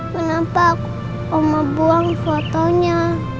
kenapa aku mau buang fotonya